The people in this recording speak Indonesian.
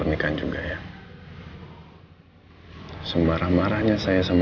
ini kan randy ya kan